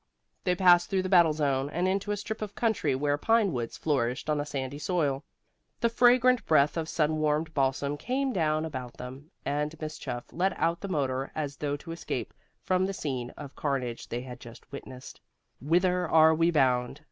They passed through the battle zone, and into a strip of country where pine woods flourished on a sandy soil. The fragrant breath of sun warmed balsam came down about them, and Miss Chuff let out the motor as though to escape from the scene of carnage they had just witnessed. "Whither are we bound?"